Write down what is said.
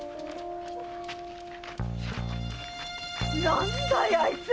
何だいあいつら！